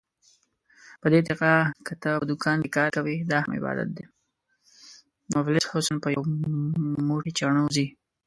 د مفلس حسن په یو موټی چڼو ځي.